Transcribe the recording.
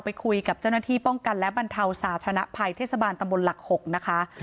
ไปคุยกับเจ้าหน้าที่ป้องกันและบรรเทาสาธารณภัยเทศบาลตำบลหลัก๖นะคะ